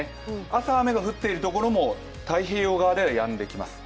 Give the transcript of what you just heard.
朝、雨が降っているところも太平洋側ではやみます。